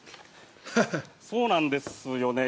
そうなんですよね。